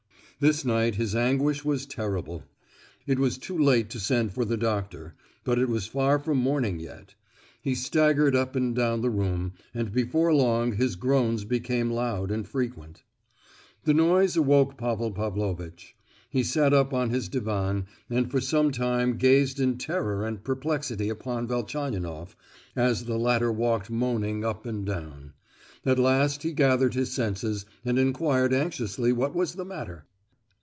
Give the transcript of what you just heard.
This night, his anguish was terrible; it was too late to send for the doctor, but it was far from morning yet. He staggered up and down the room, and before long his groans became loud and frequent. The noise awoke Pavel Pavlovitch. He sat up on his divan, and for some time gazed in terror and perplexity upon Velchaninoff, as the latter walked moaning up and down. At last he gathered his senses, and enquired anxiously what was the matter.